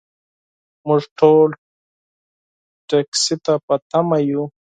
موږ ټول ټکسي ته په تمه یو .